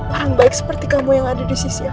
orang baik seperti kamu yang ada di sisi lain